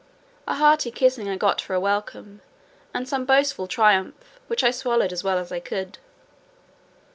A hearty kissing I got for a welcome, and some boastful triumph, which I swallowed as well as I could.